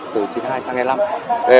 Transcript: một trăm linh từ chín mươi hai sang e năm